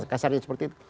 kasarnya seperti itu